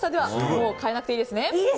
もう変えなくていいですね。